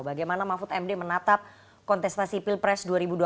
bagaimana mahfud md menatap kontestasi pilpres dua ribu dua puluh